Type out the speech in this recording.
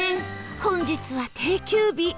本日は定休日